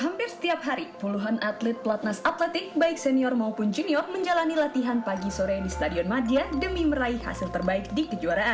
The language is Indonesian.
hampir setiap hari puluhan atlet pelatnas atletik baik senior maupun junior menjalani latihan pagi sore di stadion madia demi meraih hasil terbaik di kejuaraan